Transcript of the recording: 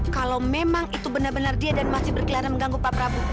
kalau memang itu benar benar dia dan masih berkeliaran mengganggu pak prabowo